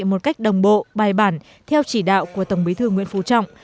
một cách đồng bộ bài bản theo chỉ đạo của tổng bí thư nguyễn phú trọng